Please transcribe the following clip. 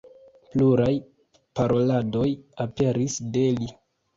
Pluraj paroladoj aperis de li.